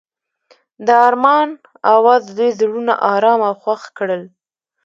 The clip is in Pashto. د آرمان اواز د دوی زړونه ارامه او خوښ کړل.